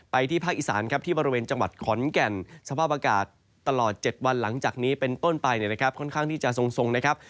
ที่ภาคอีสานครับที่บริเวณจังหวัดขอนแก่นสภาพอากาศตลอด๗วันหลังจากนี้เป็นต้นไปเนี่ยนะครับค่อนข้างที่จะทรงนะครับ